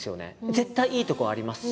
絶対いいとこありますし。